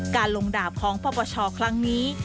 การลงดาบของปปชครั้งนี้